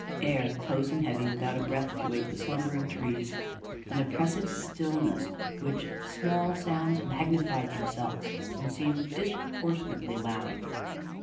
Air, close and heavy, without a breath to wake the slumbering trees; an oppressive stillness, in which small sounds magnified themselves, and seemed disproportionately loud.